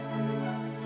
aku guna kekuatanmu